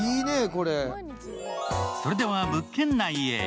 それでは物件内へ。